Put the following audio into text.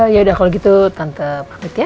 yaudah kalau gitu tante pamit ya